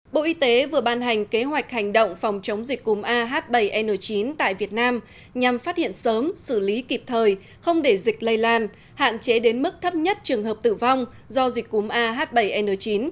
bộ y tế vừa ban hành kế hoạch hành động phòng chống dịch cúm ah bảy n chín tại việt nam nhằm phát hiện sớm xử lý kịp thời không để dịch lây lan hạn chế đến mức thấp nhất trường hợp tử vong do dịch cúm ah bảy n chín